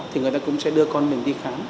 thì người ta cũng sẽ đưa con mình đi khám